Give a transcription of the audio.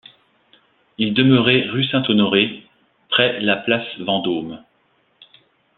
Il demeurait rue Saint-Honoré, près la place Vendôme.